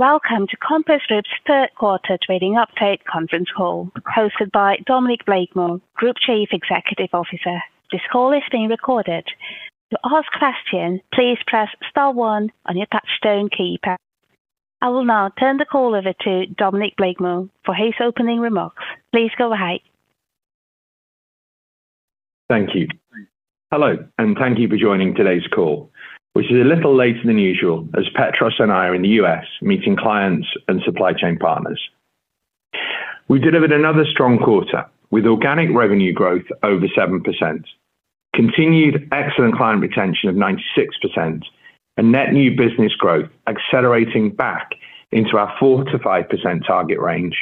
Welcome to Compass' third quarter trading update conference call hosted by Dominic Blakemore, Group Chief Executive Officer. This call is being recorded. To ask questions, please press star one on your touchtone keypad. I will now turn the call over to Dominic Blakemore for his opening remarks. Please go ahead. Thank you. Hello. Thank you for joining today's call, which is a little later than usual, as Petros and I are in the U.S. meeting clients and supply chain partners. We delivered another strong quarter with organic revenue growth over 7%, continued excellent client retention of 96%, and net new business growth accelerating back into our 4%-5% target range.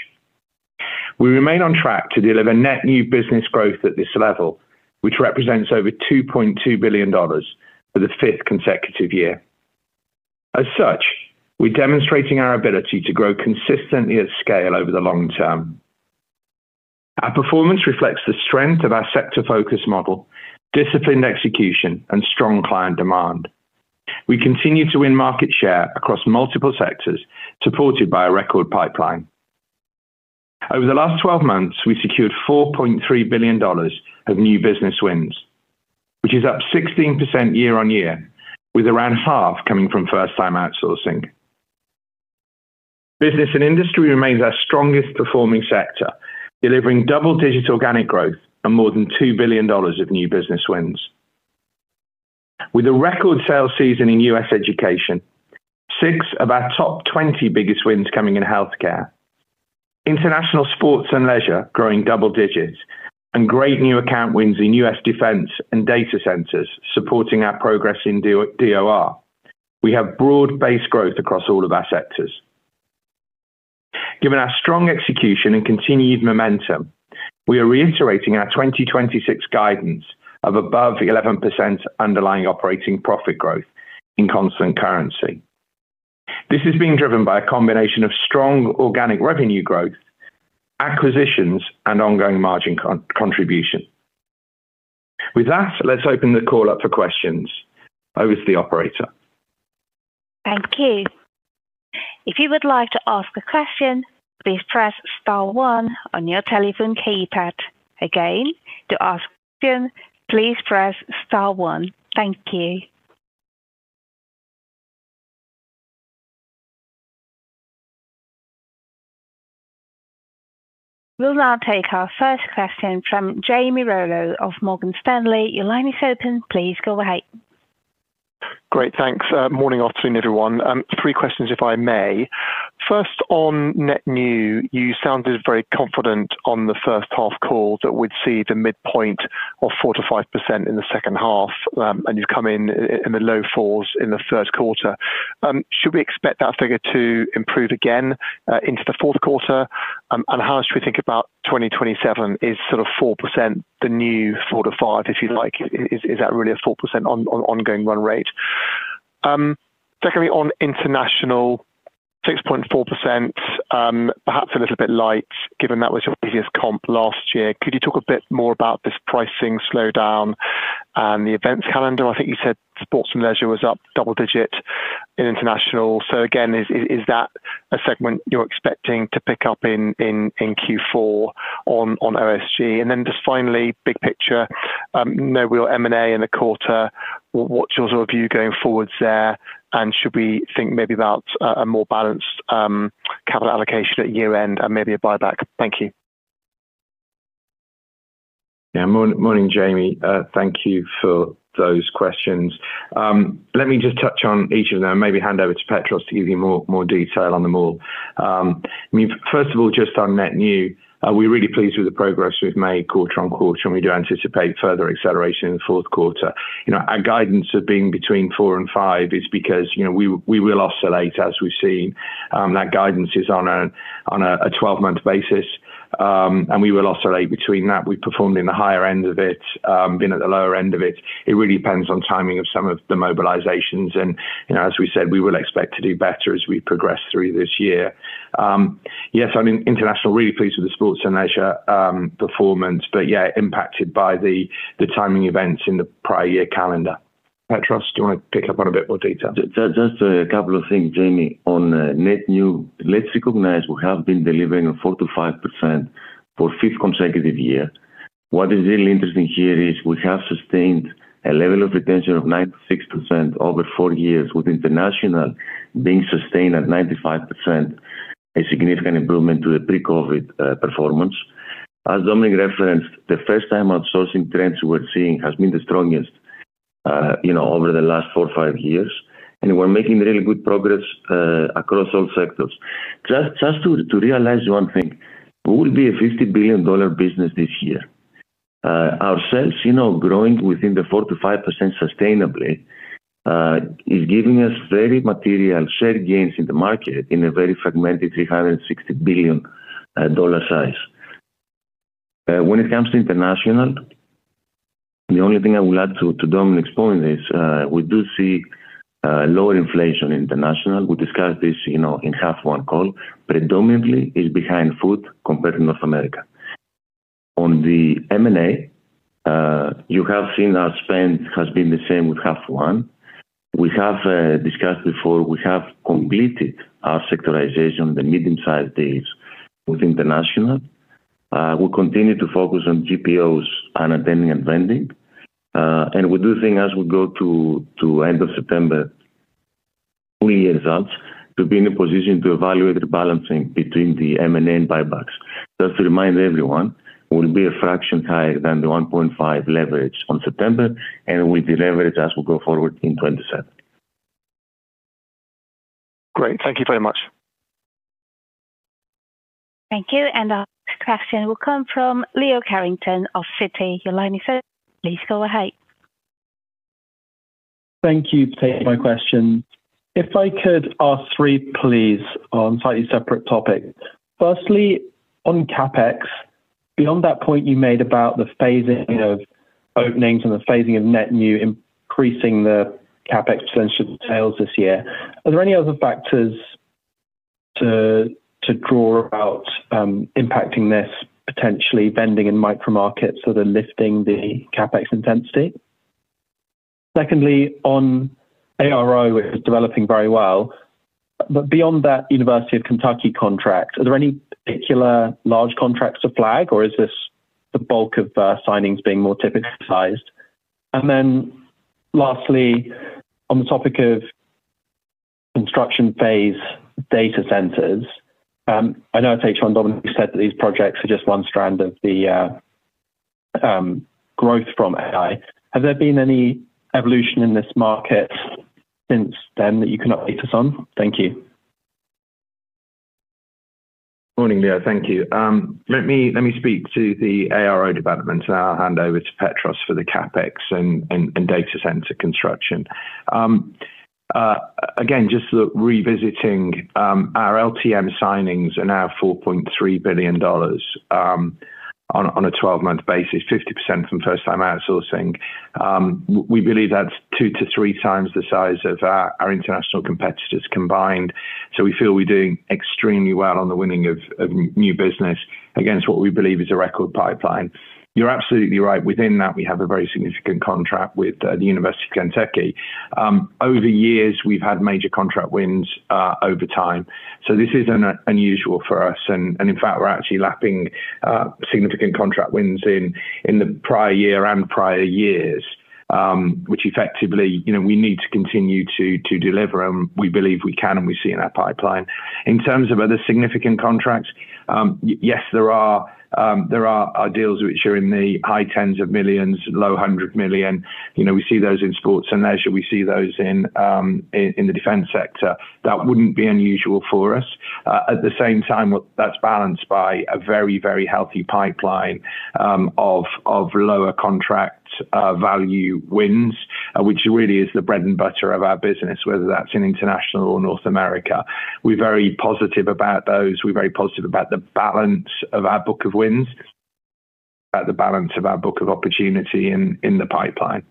We remain on track to deliver net new business growth at this level, which represents over $2.2 billion for the fifth consecutive year. As such, we're demonstrating our ability to grow consistently at scale over the long term. Our performance reflects the strength of our sector focus model, disciplined execution, and strong client demand. We continue to win market share across multiple sectors, supported by a record pipeline. Over the last 12 months, we secured $4.3 billion of new business wins, which is up 16% year-on-year with around 1/2 coming from first-time outsourcing. Business and industry remains our strongest performing sector, delivering double-digit organic growth and more than $2 billion of new business wins. With a record sales season in U.S. education, six of our top 20 biggest wins coming in healthcare, International sports and leisure growing double digits, great new account wins in U.S. Defense and data centers supporting our progress in DOR. We have broad-based growth across all of our sectors. Given our strong execution and continued momentum, we are reiterating our 2026 guidance of above 11% underlying operating profit growth in constant currency. This is being driven by a combination of strong organic revenue growth, acquisitions, and ongoing margin contribution. With that, let's open the call up for questions. Over to the operator. Thank you. If you would like to ask a question, please press star one on your telephone keypad. Again, to ask question, please press star one. Thank you. We'll now take our first question from Jamie Rollo of Morgan Stanley. Your line is open. Please go ahead. Great. Thanks. Morning, afternoon, everyone. Three questions if I may. First, on net new, you sounded very confident on the first half call that we'd see the midpoint of 4%-5% in the second half, and you've come in in the low fours in the first quarter. Should we expect that figure to improve again into the fourth quarter? How much should we think about 2027 is sort of 4% the new 4%-5%, if you like? Is that really a 4% on ongoing run rate? Secondly, on International 6.4%, perhaps a little bit light, given that was your easiest comp last year. Could you talk a bit more about this pricing slowdown and the events calendar? I think you said Sports & Leisure was up double-digit in International. Again, is that a segment you're expecting to pick up in Q4 on OSG? Then just finally, big picture, no real M&A in the quarter, what's your sort of view going forwards there? Should we think maybe about a more balanced capital allocation at year-end and maybe a buyback? Thank you. Yeah. Morning, Jamie. Thank you for those questions. Let me just touch on each of them and maybe hand over to Petros to give you more detail on them all. First of all, just on net new, we're really pleased with the progress we've made quarter-on-quarter. We do anticipate further acceleration in the fourth quarter. Our guidance of being between 4% and 5% is because we will oscillate as we've seen. That guidance is on a 12-month basis. We will oscillate between that. We've performed in the higher end of it, been at the lower end of it. It really depends on timing of some of the mobilizations. As we said, we will expect to do better as we progress through this year. Yes, on International, really pleased with the Sports & Leisure performance, impacted by the timing events in the prior year calendar. Petros, do you want to pick up on a bit more detail? Just a couple of things, Jamie. On net new, let's recognize we have been delivering a 4%-5% for fifth consecutive year. What is really interesting here is we have sustained a level of retention of 96% over four years with International being sustained at 95%, a significant improvement to the pre-COVID performance. As Dominic referenced, the first-time outsourcing trends we're seeing has been the strongest over the last four or five years, and we're making really good progress across all sectors. To realize one thing, we will be a $50 billion business this year. Our sales growing within the 4%-5% sustainably is giving us very material share gains in the market in a very fragmented $360 billion size. When it comes to International, the only thing I will add to Dominic's point is we do see lower inflation in International. We discussed this in half one call. Predominantly is behind food compared to North America. On the M&A, you have seen our spend has been the same with half one. We have discussed before, we have completed our sectorisation, the medium-sized deals with International. We continue to focus on GPOs and attended vending. We do think as we go to end of September full year results, to be in a position to evaluate the balancing between the M&A and buybacks. Just to remind everyone, we will be a fraction higher than the 1.5x leverage on September, and we deleverage as we go forward in 2027. Great. Thank you very much. Thank you. Our next question will come from Leo Carrington of Citi. Your line is open. Please go ahead. Thank you for taking my question. If I could ask three, please, on slightly separate topics. Firstly, on CapEx, beyond that point you made about the phasing of openings and the phasing of net new increasing the CapEx potential sales this year, are there any other factors to draw about impacting this potentially vending and micro markets that are lifting the CapEx intensity? Secondly, on ARO, which is developing very well, but beyond that University of Kentucky contract, are there any particular large contracts to flag, or is this the bulk of signings being more typical sized? Lastly, on the topic of construction phase data centers, I know at H1, Dominic said that these projects are just one strand of the growth from AI. Have there been any evolution in this market since then that you can update us on? Thank you. Morning, Leo. Thank you. Let me speak to the ARO development. I'll hand over to Petros for the CapEx and data center construction. Again, just revisiting our LTM signings are now $4.3 billion on a 12-month basis, 50% from first-time outsourcing. We believe that's two to three times the size of our International competitors combined. We feel we're doing extremely well on the winning of new business against what we believe is a record pipeline. You're absolutely right. Within that, we have a very significant contract with the University of Kentucky. Over years, we've had major contract wins over time. This isn't unusual for us. In fact, we're actually lapping significant contract wins in the prior year and prior years, which effectively we need to continue to deliver, and we believe we can, and we see in our pipeline. In terms of other significant contracts, yes, there are deals which are in the high tens of millions, low $100 million. We see those in Sports & Leisure. We see those in the defense sector. That wouldn't be unusual for us. At the same time, that's balanced by a very healthy pipeline of lower contract value wins, which really is the bread and butter of our business, whether that's in International or North America. We're very positive about those. We're very positive about the balance of our book of wins, about the balance of our book of opportunity in the pipeline.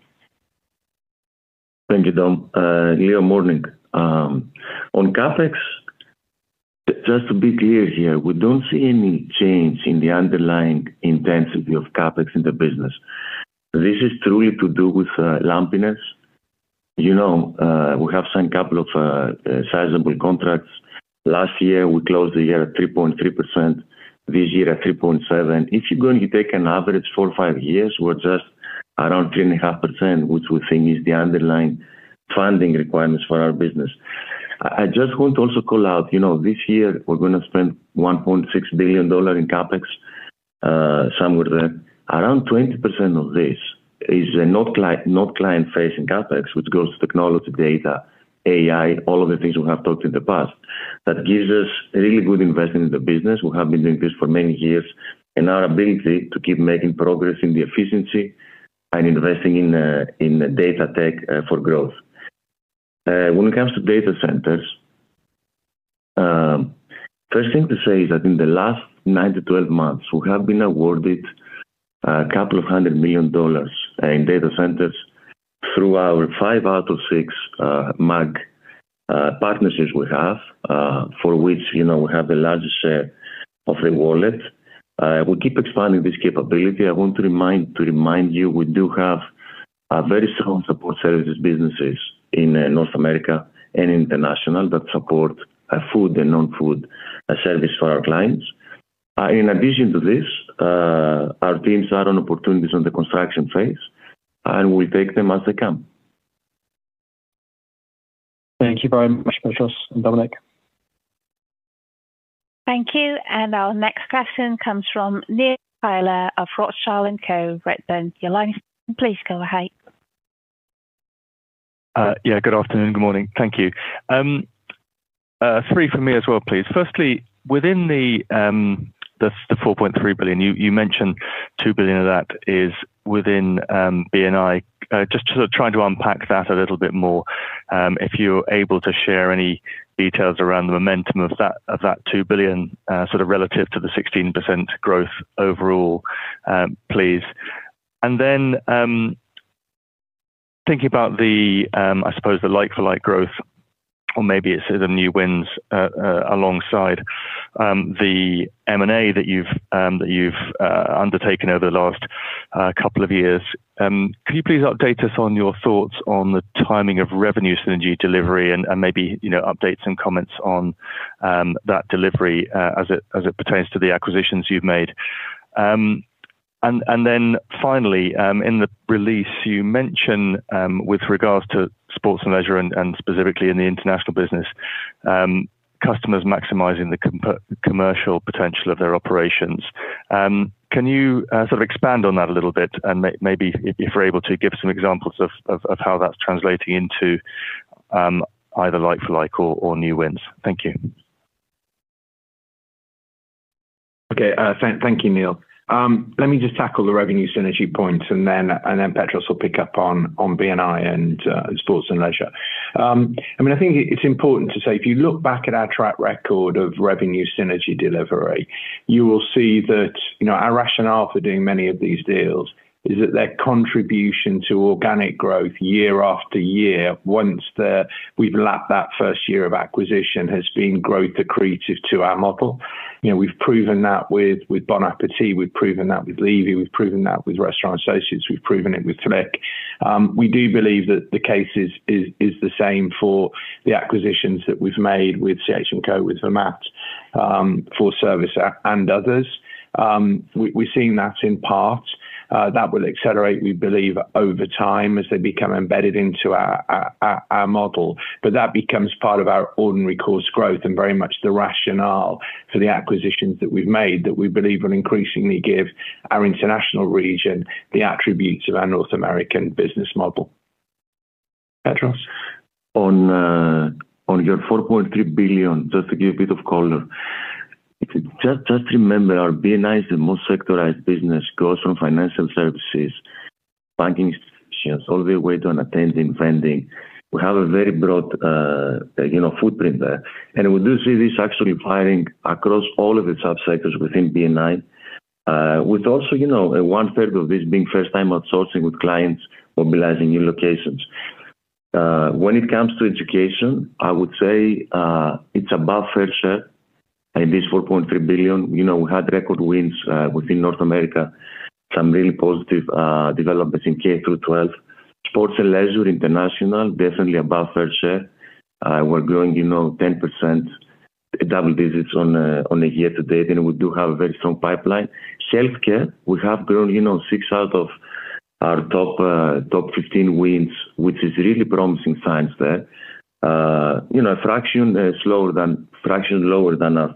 Thank you, Dom. Leo, morning. On CapEx, just to be clear here, we don't see any change in the underlying intensity of CapEx in the business. This is truly to do with lumpiness. We have signed couple of sizable contracts. Last year, we closed the year at 3.3%, this year at 3.7%. If you're going to take an average four or five years, we're just around 3.5%, which we think is the underlying funding requirements for our business. I just want to also call out, this year we're going to spend $1.6 billion in CapEx, somewhere there. Around 20% of this is not client-facing CapEx, which goes to technology data, AI, all of the things we have talked in the past. That gives us really good investment in the business. Our ability to keep making progress in the efficiency and investing in data tech for growth. When it comes to data centers, first thing to say is that in the last nine to 12 months, we have been awarded couple of hundred million dollars in data centers through our five out of six Mag partnerships we have for which we have the largest share of the wallet. We keep expanding this capability. I want to remind you, we do have a very strong support services businesses in North America and International that support food and non-food service for our clients. In addition to this, our teams are on opportunities on the construction phase, and we take them as they come. Thank you very much, Petros and Dominic. Thank you. Our next question comes from Neil Tyler of Rothschild & Co. Your line is open. Please go ahead. Yeah, good afternoon. Good morning. Thank you. Three from me as well, please. Firstly, within the $4.3 billion, you mentioned $2 billion of that is within B&I. Just trying to unpack that a little bit more. If you're able to share any details around the momentum of that $2 billion sort of relative to the 16% growth overall, please. Thinking about the like for like growth, or maybe it's the new wins alongside the M&A that you've undertaken over the last couple of years. Can you please update us on your thoughts on the timing of revenue synergy delivery and maybe update some comments on that delivery as it pertains to the acquisitions you've made? Finally, in the release you mention with regards to Sports & Leisure and specifically in the International business, customers maximizing the commercial potential of their operations. Can you sort of expand on that a little bit and maybe if you're able to give some examples of how that's translating into either like for like or new wins? Thank you. Okay. Thank you, Neil. Let me just tackle the revenue synergy point. Petros will pick up on B&I and Sports & Leisure. I think it's important to say, if you look back at our track record of revenue synergy delivery, you will see that our rationale for doing many of these deals is that their contribution to organic growth year after year, once we've lapped that first year of acquisition, has been growth accretive to our model. We've proven that with Bon Appétit, we've proven that with Levy, we've proven that with Restaurant Associates, we've proven it with FLIK. We do believe that the case is the same for the acquisitions that we've made with CH&Co, with Vermaat, 4Service, and others. We've seen that in part, that will accelerate, we believe, over time as they become embedded into our model. That becomes part of our ordinary course growth and very much the rationale for the acquisitions that we've made, that we believe will increasingly give our international region the attributes of our North American business model. Petros? On your $4.3 billion, just to give a bit of color. Just remember our B&I is the most sectorized business, goes from financial services, banking institutions, all the way to an attended vending. We have a very broad footprint there. We do see this actually applying across all of the subsectors within B&I with also one third of this being first-time outsourcing with clients mobilizing new locations. When it comes to Education, I would say it's above fair share in this $4.3 billion. We had record wins within North America, some really positive developments in K-12. Sports & Leisure International, definitely above fair share. We're growing 10%, double digits on a year-to-date, and we do have a very strong pipeline. Healthcare, we have grown six out of our top 15 wins, which is really promising signs there. A fraction lower than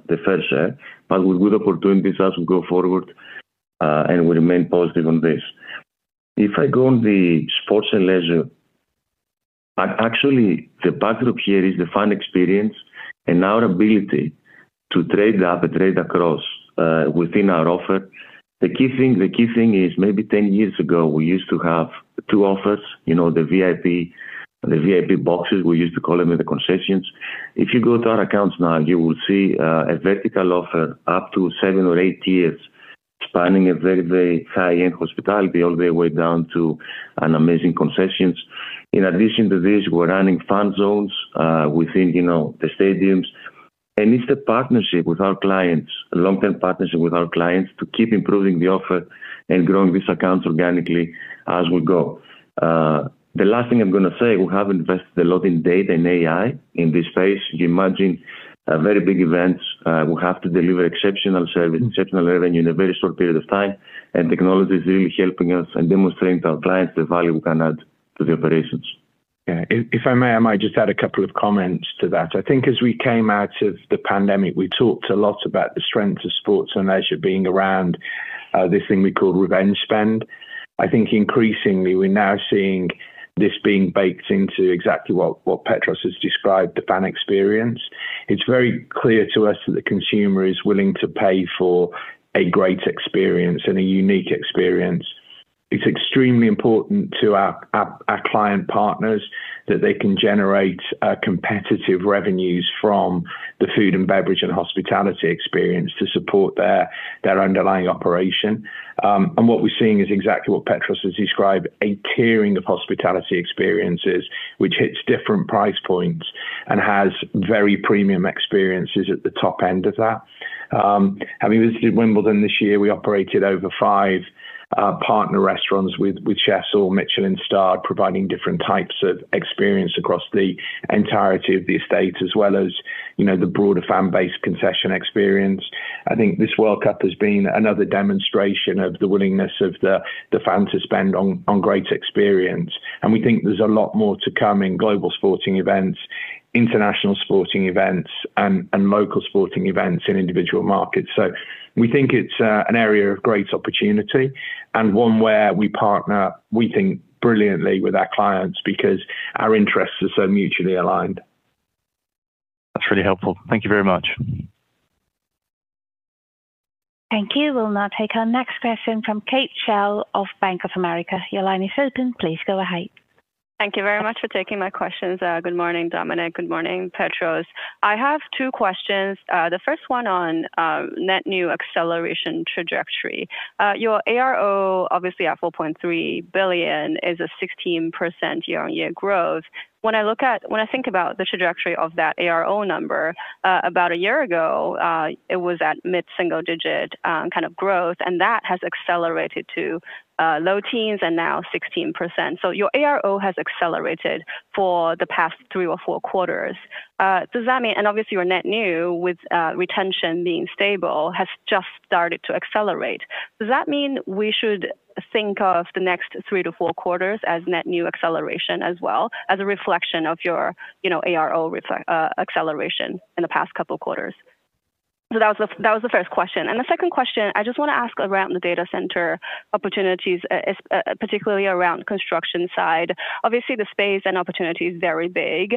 the fair share, with good opportunities as we go forward, and we remain positive on this. If I go on the Sports & Leisure, actually the backdrop here is the fan experience and our ability to trade up and trade across within our offer. The key thing is maybe 10 years ago, we used to have two offers, the VIP boxes, we used to call them, and the concessions. If you go to our accounts now, you will see a vertical offer up to seven or eight tiers spanning a very, very high-end hospitality all the way down to an amazing concessions. In addition to this, we're adding fan zones within the stadiums. It's the partnership with our clients, a long-term partnership with our clients to keep improving the offer and growing these accounts organically as we go. The last thing I'm going to say, we have invested a lot in data and AI in this space. You imagine very big events, we have to deliver exceptional service, exceptional revenue in a very short period of time, and technology is really helping us and demonstrating to our clients the value we can add to the operations. Yeah. I might just add a couple of comments to that. I think as we came out of the pandemic, we talked a lot about the strength of Sports & Leisure being around this thing we call revenge spend. I think increasingly we're now seeing this being baked into exactly what Petros has described, the fan experience. It's very clear to us that the consumer is willing to pay for a great experience and a unique experience. It's extremely important to our client partners that they can generate competitive revenues from the food and beverage and hospitality experience to support their underlying operation. What we're seeing is exactly what Petros has described, a tiering of hospitality experiences, which hits different price points and has very premium experiences at the top end of that. Having visited Wimbledon this year, we operated over five partner restaurants with chefs or Michelin-starred, providing different types of experience across the entirety of the estate, as well as the broader fan base concession experience. I think this World Cup has been another demonstration of the willingness of the fan to spend on great experience, and we think there's a lot more to come in global sporting events, international sporting events, and local sporting events in individual markets. We think it's an area of great opportunity, and one where we partner, we think brilliantly with our clients because our interests are so mutually aligned. That's really helpful. Thank you very much. Thank you. We'll now take our next question from [Kate Chow] of Bank of America. Your line is open. Please go ahead. Thank you very much for taking my questions. Good morning, Dominic. Good morning, Petros. I have two questions. The first one on net new acceleration trajectory. Your ARO, obviously at $4.3 billion, is a 16% year-on-year growth. When I think about the trajectory of that ARO number, about a year ago, it was at mid-single-digit kind of growth, and that has accelerated to low teens and now 16%. Your ARO has accelerated for the past three or four quarters. Obviously your net new, with retention being stable, has just started to accelerate. Does that mean we should think of the next three to four quarters as net new acceleration as well as a reflection of your ARO acceleration in the past couple of quarters? That was the first question. The second question, I just want to ask around the data center opportunities, particularly around construction side. Obviously, the space and opportunity is very big,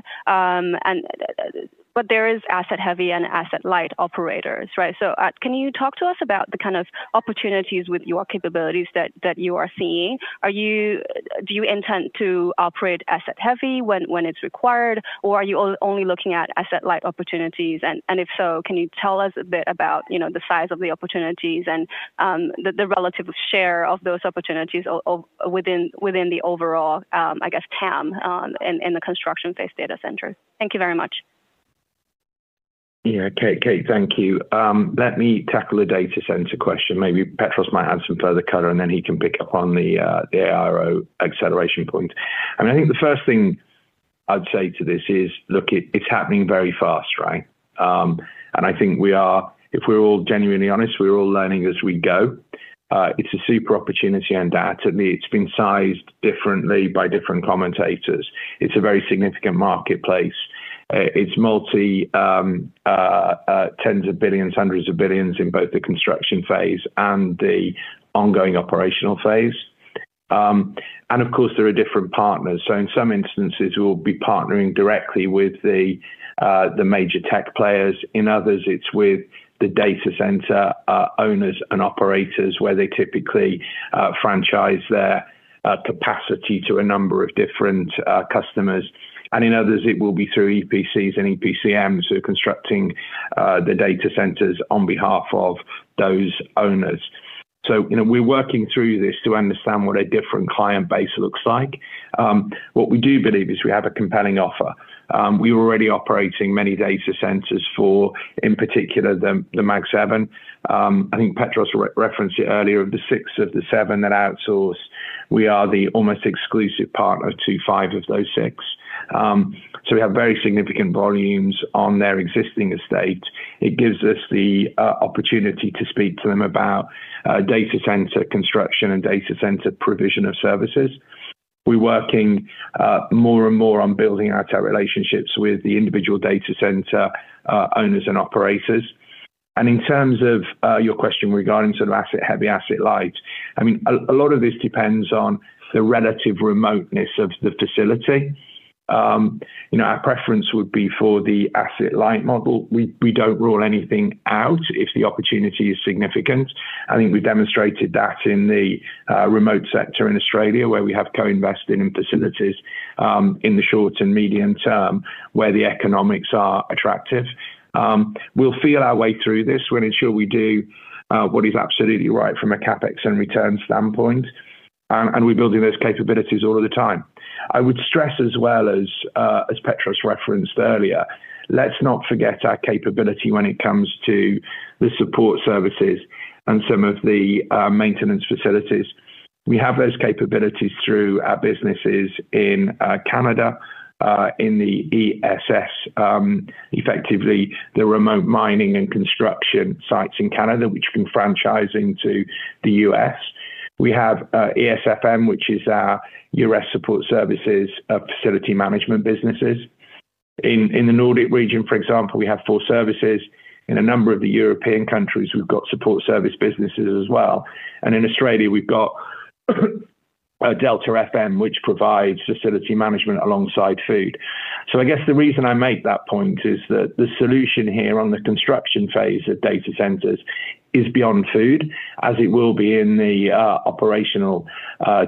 but there is asset-heavy and asset-light operators, right? Can you talk to us about the kind of opportunities with your capabilities that you are seeing? Do you intend to operate asset-heavy when it's required, or are you only looking at asset-light opportunities? If so, can you tell us a bit about the size of the opportunities and the relative share of those opportunities within the overall, I guess, TAM in the construction phase data center. Thank you very much. [Kate], thank you. Let me tackle the data center question. Maybe Petros might have some further color, then he can pick up on the ARO acceleration point. I think the first thing I'd say to this is, look, it's happening very fast, right? I think we are, if we're all genuinely honest, we're all learning as we go. It's a super opportunity, certainly it's been sized differently by different commentators. It's a very significant marketplace. It's multi tens of billions, hundreds of billions in both the construction phase and the ongoing operational phase. Of course, there are different partners. In some instances, we'll be partnering directly with the major tech players. In others, it's with the data center owners and operators, where they typically franchise their capacity to a number of different customers. In others, it will be through EPCs and EPCMs who are constructing the data centers on behalf of those owners. We're working through this to understand what a different client base looks like. What we do believe is we have a compelling offer. We're already operating many data centers for, in particular, the Magnificent Seven. I think Petros referenced it earlier, of the six of the seven that outsource, we are the almost exclusive partner to five of those six. We have very significant volumes on their existing estate. It gives us the opportunity to speak to them about data center construction and data center provision of services. We're working more and more on building out our relationships with the individual data center owners and operators. In terms of your question regarding sort of asset-heavy, asset-light, I mean, a lot of this depends on the relative remoteness of the facility. Our preference would be for the asset-light model. We don't rule anything out if the opportunity is significant. I think we demonstrated that in the remote sector in Australia, where we have co-invested in facilities in the short and medium term, where the economics are attractive. We'll feel our way through this. We'll ensure we do what is absolutely right from a CapEx and return standpoint. We're building those capabilities all of the time. I would stress as well, as Petros referenced earlier, let's not forget our capability when it comes to the support services and some of the maintenance facilities. We have those capabilities through our businesses in Canada, in the ESS, effectively the remote mining and construction sites in Canada, which we've been franchising to the U.S. We have ESFM, which is our U.S. support services facility management businesses. In the Nordic region, for example, we have full services. In a number of the European countries, we've got support service businesses as well. In Australia, we've got Delta FM, which provides facility management alongside food. I guess the reason I make that point is that the solution here on the construction phase of data centers is beyond food, as it will be in the operational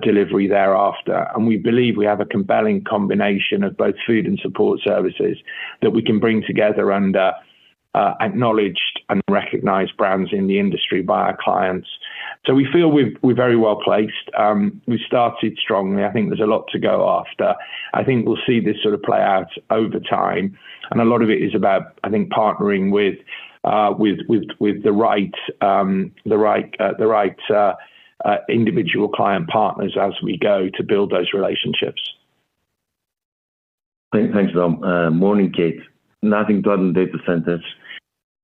delivery thereafter. We believe we have a compelling combination of both food and support services that we can bring together under acknowledged and recognized brands in the industry by our clients. We feel we're very well-placed. We started strongly. I think there's a lot to go after. I think we'll see this sort of play out over time. A lot of it is about, I think, partnering with the right individual client partners as we go to build those relationships. Thanks, Dom. Morning, [Kate]. Nothing to add on data centers.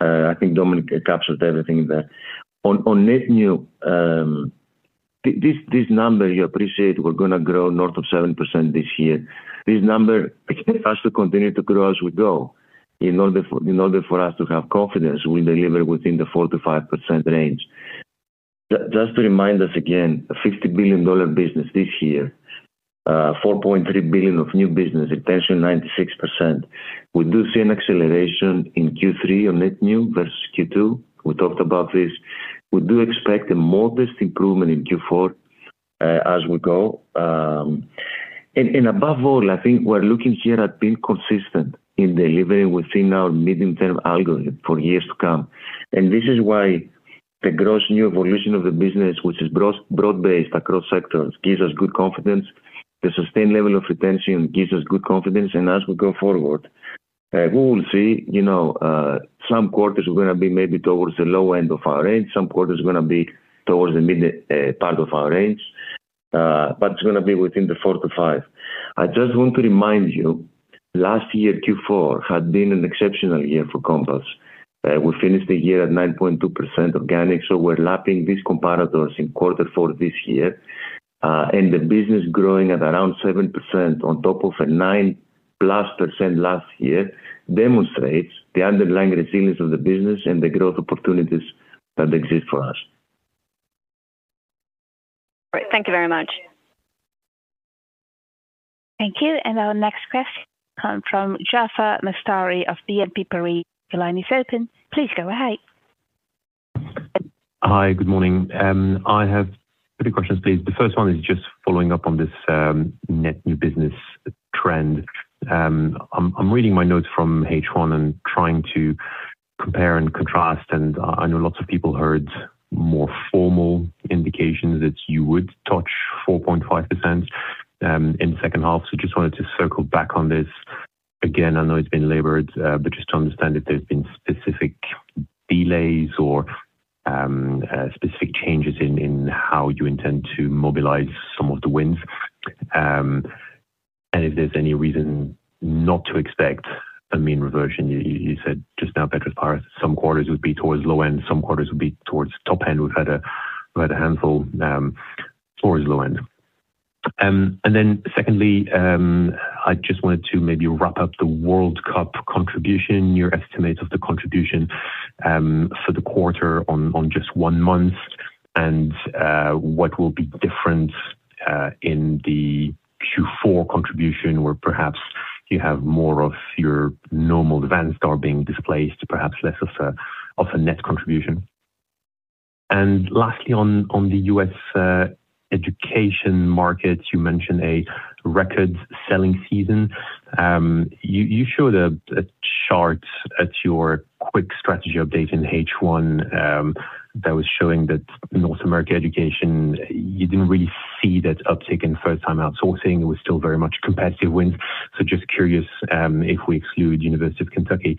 I think Dominic captured everything there. On net new, this number you appreciate we're going to grow north of 7% this year. This number has to continue to grow as we go in order for us to have confidence we deliver within the 4%-5% range. Just to remind us again, a $50 billion business this year, $4.3 billion of new business, retention 96%. We do see an acceleration in Q3 on net new versus Q2. We talked about this. We do expect a modest improvement in Q4 as we go. Above all, I think we're looking here at being consistent in delivering within our medium-term algorithm for years to come. This is why the gross new evolution of the business, which is broad-based across sectors, gives us good confidence. The sustained level of retention gives us good confidence. As we go forward, we will see some quarters are going to be maybe towards the low end of our range, some quarters are going to be towards the middle part of our range, but it's going to be within the 4%-5%. I just want to remind you, last year Q4 had been an exceptional year for Compass. We finished the year at 9.2% organic, so we're lapping these comparators in quarter four this year. The business growing at around 7% on top of a 9%+ last year demonstrates the underlying resilience of the business and the growth opportunities that exist for us. Great. Thank you very much. Thank you. Our next question comes from Jaafar Mestari of BNP Paribas. Your line is open. Please go ahead. Hi. Good morning. I have three questions, please. The first one is just following up on this net new business trend. I am reading my notes from H1 and trying to compare and contrast, and I know lots of people heard more formal indications that you would touch 4.5% in second half. Just wanted to circle back on this. Again, I know it has been labored, but just to understand if there has been specific delays or specific changes in how you intend to mobilize some of the wins, and if there is any reason not to expect a mean reversion. You said just now, Petros, some quarters would be towards low end, some quarters would be towards top end. We have had a handful towards low end. Secondly, I just wanted to maybe wrap up the World Cup contribution, your estimate of the contribution for the quarter on just one month, and what will be different in the Q4 contribution, where perhaps you have more of your normal events that are being displaced, perhaps less of a net contribution. Lastly, on the U.S. education market, you mentioned a record-selling season. You showed a chart at your quick strategy update in H1 that was showing that North America Education, you did not really see that uptick in first-time outsourcing. It was still very much competitive wins. Just curious, if we exclude University of Kentucky,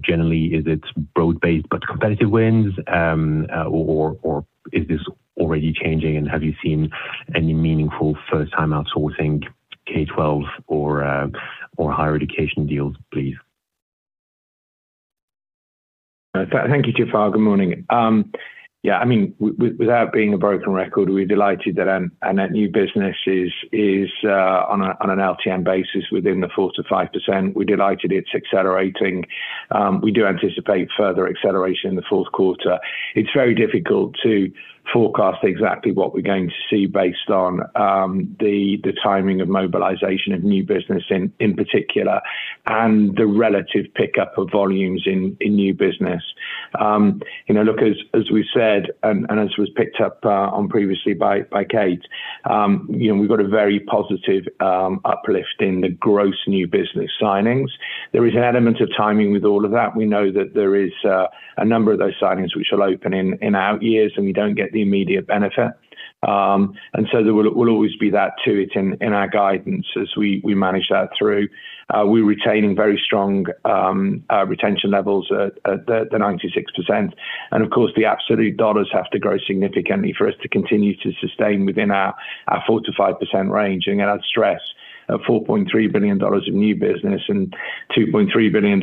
generally is it broad based but competitive wins? Or is this already changing, and have you seen any meaningful first-time outsourcing K-12 or higher education deals, please? Thank you, Jaafar. Good morning. Without being a broken record, we are delighted that our net new business is on an LTM basis within the 4%-5%. We are delighted it is accelerating. We do anticipate further acceleration in the fourth quarter. It is very difficult to forecast exactly what we are going to see based on the timing of mobilization of new business in particular and the relative pickup of volumes in new business. Look, as we have said, and as was picked up on previously by [Kate], we have got a very positive uplift in the gross new business signings. There is an element of timing with all of that. We know that there is a number of those signings which will open in out years, and we do not get the immediate benefit. So there will always be that to it in our guidance as we manage that through. We are retaining very strong retention levels at the 96%. Of course, the absolute dollars have to grow significantly for us to continue to sustain within our 4%-5% range. Again, I would stress at $4.3 billion of new business and $2.3 billion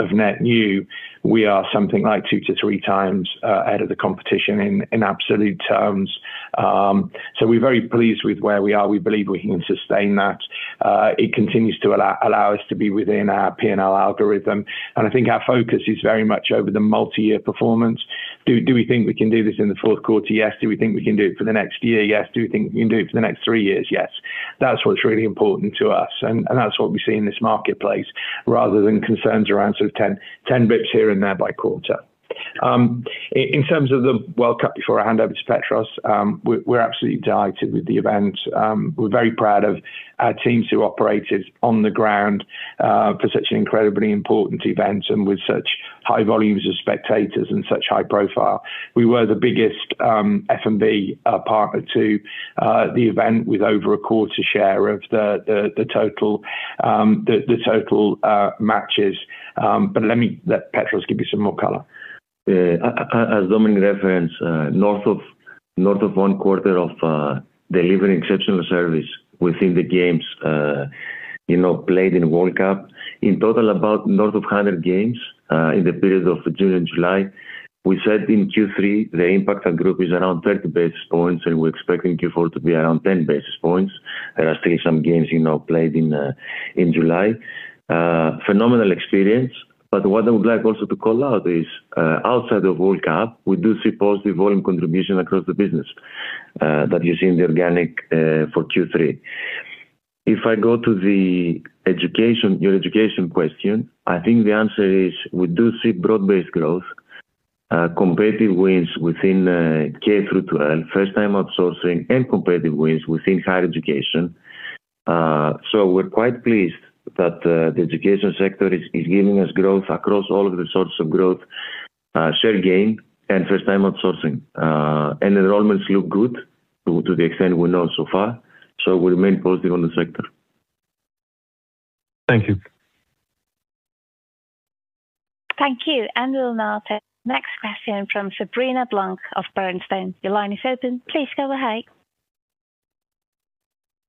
of net new, we are something like two to three times ahead of the competition in absolute terms. So we are very pleased with where we are. We believe we can sustain that. It continues to allow us to be within our P&L algorithm, and I think our focus is very much over the multi-year performance. Do we think we can do this in the fourth quarter? Yes. Do we think we can do it for the next year? Yes. Do we think we can do it for the next three years? Yes. That is what is really important to us, and that is what we see in this marketplace rather than concerns around sort of 10 basis points here and there by quarter. In terms of the World Cup, before I hand over to Petros, we are absolutely delighted with the event. We are very proud of our teams who operated on the ground for such an incredibly important event and with such high volumes of spectators and such high profile. We were the biggest F&B partner to the event with over a quarter share of the total matches. But let Petros give you some more color. As Dominic referenced, north of one quarter of delivering exceptional service within the games played in World Cup. In total, about north of 100 games in the period of June and July. We said in Q3, the impact on group is around 30 basis points, and we are expecting Q4 to be around 10 basis points. There are still some games played in July. Phenomenal experience. But what I would like also to call out is, outside of World Cup, we do see positive volume contribution across the business that you see in the organic for Q3. If I go to the education question, I think the answer is we do see broad-based growth, competitive wins within K-12, first-time outsourcing, and competitive wins within higher education. We're quite pleased that the education sector is giving us growth across all of the sources of growth, share gain, and first-time outsourcing. Enrollments look good to the extent we know so far, so we remain positive on the sector. Thank you. Thank you. We'll now take next question from Sabrina Blanc of Bernstein. Your line is open. Please go ahead.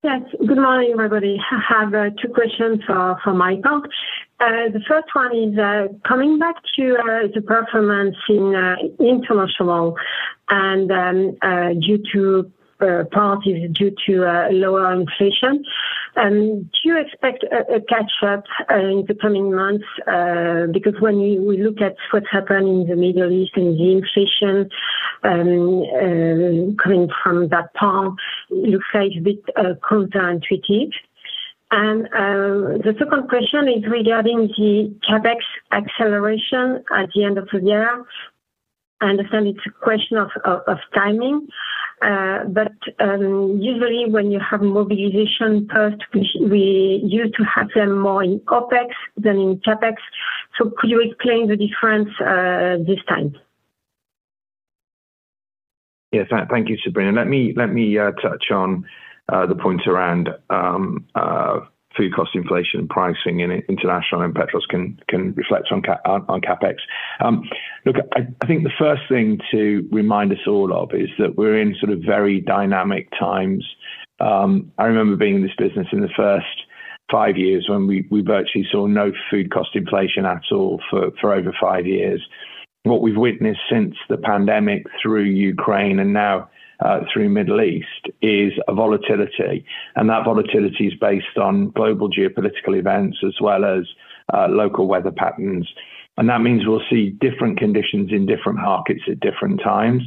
Yes, good morning, everybody. I have two questions for [Michael. The first one is coming back to the performance in International and partly due to lower inflation. Do you expect a catch-up in the coming months? Because when we look at what happened in the Middle East and the inflation coming from that part looks like a bit counterintuitive. The second question is regarding the CapEx acceleration at the end of the year. I understand it's a question of timing. Usually when you have mobilization first, we used to have them more in OpEx than in CapEx. Could you explain the difference this time? Yes. Thank you, Sabrina. Let me touch on the point around food cost inflation pricing in International, and Petros can reflect on CapEx. I think the first thing to remind us all of is that we're in sort of very dynamic times. I remember being in this business in the first five years when we virtually saw no food cost inflation at all for over five years. What we've witnessed since the pandemic through Ukraine and now through Middle East is volatility, and that volatility is based on global geopolitical events as well as local weather patterns. That means we'll see different conditions in different markets at different times,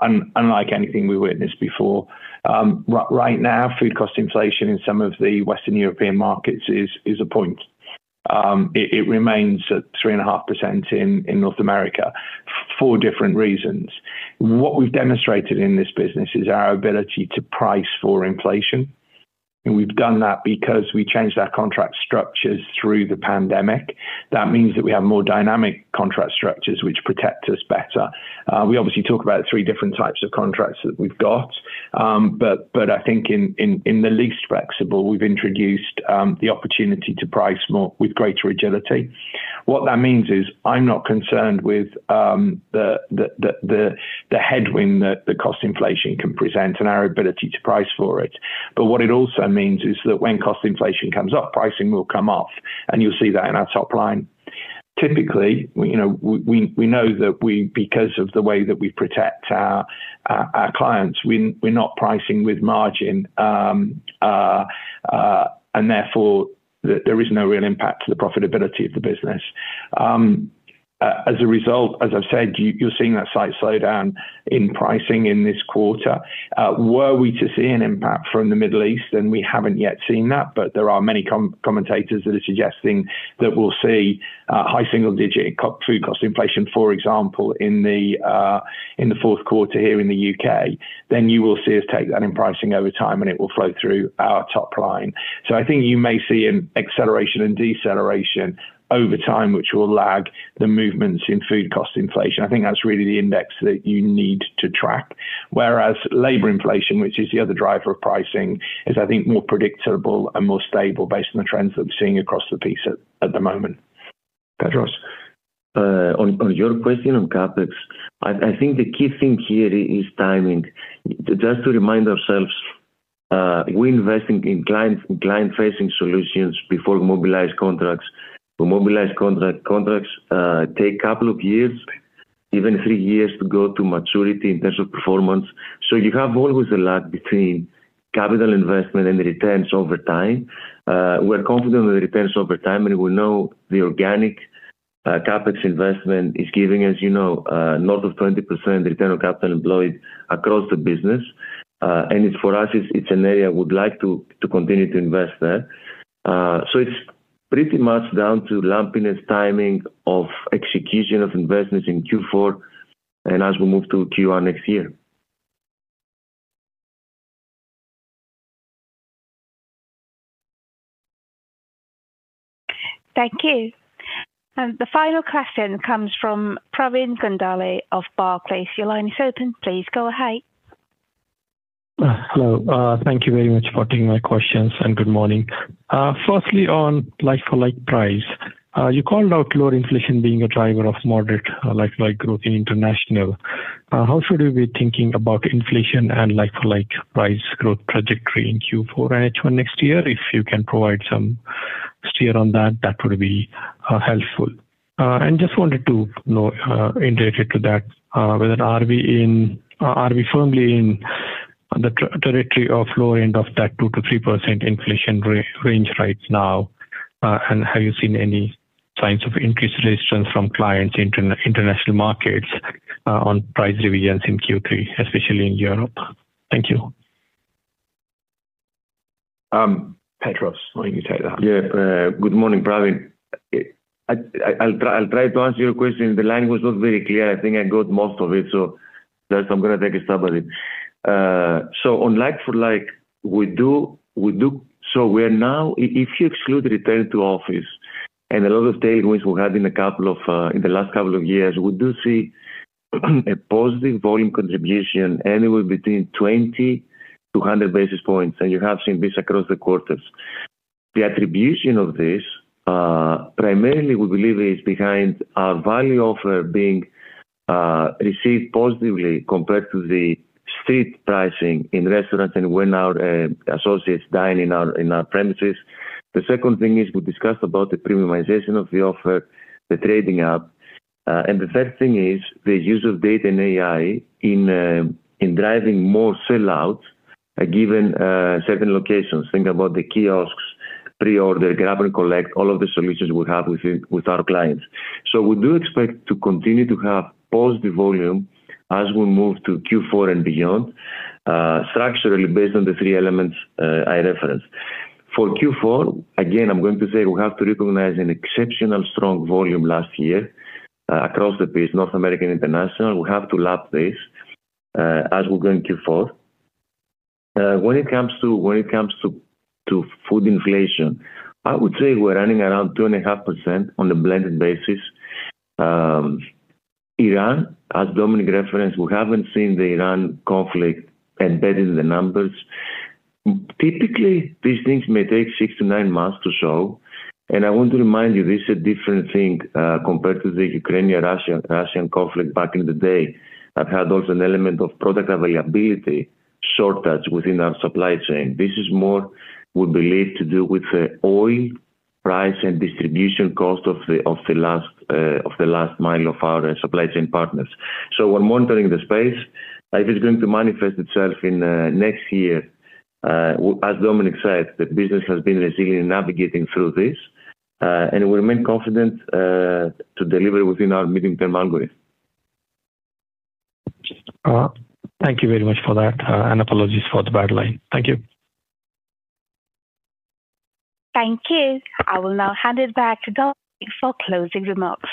unlike anything we witnessed before. Right now, food cost inflation in some of the Western European markets is a point. It remains at 3.5% in North America for different reasons. What we've demonstrated in this business is our ability to price for inflation. We've done that because we changed our contract structures through the pandemic. That means that we have more dynamic contract structures, which protect us better. We obviously talk about three different types of contracts that we've got. I think in the least flexible, we've introduced the opportunity to price more with greater agility. What that means is I'm not concerned with the headwind that the cost inflation can present and our ability to price for it. What it also means is that when cost inflation comes up, pricing will come up, and you'll see that in our top line. Typically, we know that because of the way that we protect our clients, we're not pricing with margin. Therefore, there is no real impact to the profitability of the business. As a result, as I've said, you're seeing that slight slowdown in pricing in this quarter. Were we to see an impact from the Middle East, and we haven't yet seen that, but there are many commentators that are suggesting that we'll see high single digit food cost inflation, for example, in the fourth quarter here in the U.K., then you will see us take that in pricing over time, and it will flow through our top line. I think you may see an acceleration and deceleration over time, which will lag the movements in food cost inflation. I think that's really the index that you need to track. Whereas labor inflation, which is the other driver of pricing, is I think more predictable and more stable based on the trends that we're seeing across the piece at the moment. Petros. On your question on CapEx, I think the key thing here is timing. Just to remind ourselves, we invest in client-facing solutions before mobilized contracts. Mobilized contracts take couple of years, even three years to go to maturity in terms of performance. You have always a lag between capital investment and the returns over time. We're confident with the returns over time, and we know the organic CapEx investment is giving us north of 20% return on capital employed across the business. It's for us, it's an area we'd like to continue to invest there. It's pretty much down to lumpiness timing of execution of investments in Q4, and as we move to Q1 next year. Thank you. The final question comes from Pravin Gondhale of Barclays. Your line is open. Please go ahead. Hello. Thank you very much for taking my questions, and good morning. Firstly, on like-for-like price. You called out lower inflation being a driver of moderate like-for-like growth in International. How should we be thinking about inflation and like-for-like price growth trajectory in Q4 and H1 next year? If you can provide some steer on that would be helpful. Just wanted to know related to that, whether are we firmly in the territory of the low end of that 2%-3% inflation range right now, have you seen any signs of increased resistance from clients in International markets on price revisions in Q3, especially in Europe? Thank you. Petros, why don't you take that? Yeah. Good morning, Pravin. I'll try to answer your question. The line was not very clear. I think I got most of it, that's why I'm going to take a stab at it. On like-for-like, if you exclude return to office and a lot of tailwinds we had in the last couple of years, we do see a positive volume contribution anywhere between 20-100 basis points, you have seen this across the quarters. The attribution of this, primarily, we believe is behind our value offer being received positively compared to the street pricing in restaurants and when our associates dine in our premises. The second thing is we discussed about the premiumization of the offer, the trading up. The third thing is the use of data and AI in driving more sell-outs at given certain locations. Think about the kiosks, pre-order, grab and collect, all of the solutions we have with our clients. We do expect to continue to have positive volume as we move to Q4 and beyond, structurally based on the three elements I referenced. For Q4, again, I am going to say we have to recognize an exceptional strong volume last year across the piece, North American, International. We have to lap this as we go in Q4. When it comes to food inflation, I would say we are running around 2.5% on a blended basis. Iran, as Dominic referenced, we haven't seen the Iran conflict embedded in the numbers. Typically, these things may take six to nine months to show, and I want to remind you this is a different thing compared to the Ukrainian-Russian Conflict back in the day that had also an element of product availability shortage within our supply chain. This is more, we believe, to do with the oil price and distribution cost of the last mile of our supply chain partners. We are monitoring the space. If it is going to manifest itself in next year, as Dominic said, the business has been resilient in navigating through this, and we remain confident to deliver within our medium-term algorithm. Thank you very much for that. Apologies for the bad line. Thank you. Thank you. I will now hand it back to Dominic for closing remarks.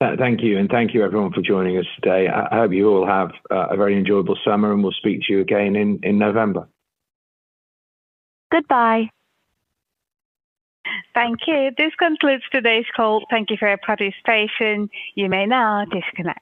Thank you, and thank you everyone for joining us today. I hope you all have a very enjoyable summer, and we'll speak to you again in November. Goodbye. Thank you. This concludes today's call. Thank you for your participation. You may now disconnect.